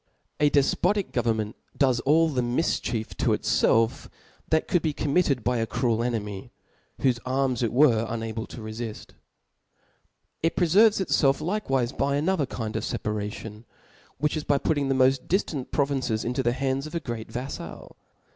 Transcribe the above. A defpotic government does all the mifchief to itfclf that could be committed by a cruel enemy, whofe arms it, were unable to refill. it preferyes itfelf likewife by another kind of reparation, which is by putting the moft diftant provinces into the hands of a great vaffal.